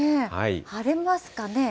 晴れますかね。